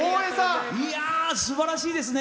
いやー、すばらしいですね。